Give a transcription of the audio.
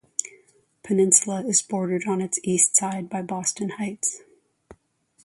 Peninsula is bordered on its east side by Boston Heights.